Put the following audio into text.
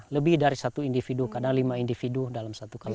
lebih dari satu individu kadang lima individu dalam satu kampanye